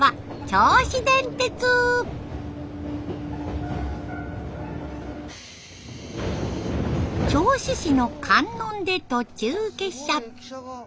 銚子市の観音で途中下車。